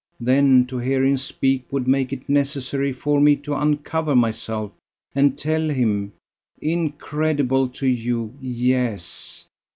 then to hear him speak would make it necessary for me to uncover myself and tell him incredible to you, yes!